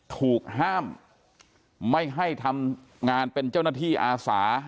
ถูกห้ามไม่ให้ทำงานเป็นเจ้าหน้าที่อาสา